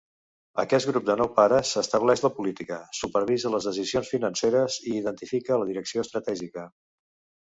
Aquest grup de nou pares estableix la política, supervisa les decisions financeres i identifica la direcció estratègica.